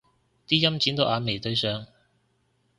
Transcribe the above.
啲陰剪到眼眉對上